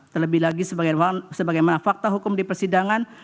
terlebih lagi sebagaimana fakta hukum di persidangan